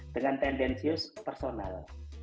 dengan tendensius personal